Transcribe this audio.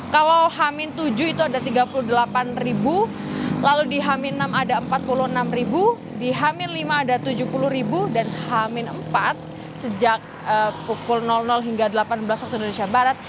kalau hamin tujuh itu ada tiga puluh delapan ribu lalu di hamin enam ada empat puluh enam ribu di hamin lima ada tujuh puluh ribu dan hamin empat sejak pukul hingga delapan belas waktu indonesia barat